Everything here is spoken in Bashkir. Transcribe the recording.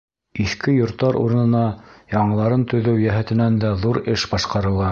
Иҫке йорттар урынына яңыларын төҙөү йәһәтенән дә ҙур эш башҡарыла.